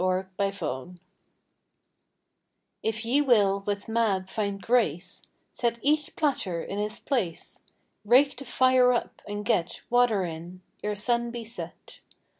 THE FAIRIES If ye will with Mab find grace, Set each platter in his place; Rake the fire up, and get Water in, ere sun be set.